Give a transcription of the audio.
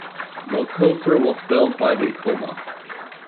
The coaster was built by Vekoma.